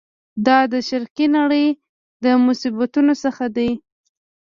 دا د شرقي نړۍ له مصیبتونو څخه دی.